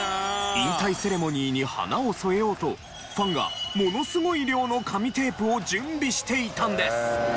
引退セレモニーに華を添えようとファンがものすごい量の紙テープを準備していたんです。